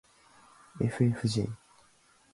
ｆｆｊ